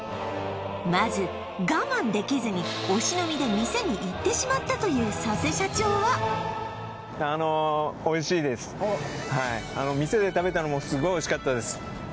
まず我慢できずにお忍びで店に行ってしまったという佐瀬社長はあのおいしいですはい店で食べたのもスゴいおいしかったです